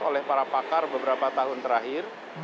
oleh para pakar beberapa tahun terakhir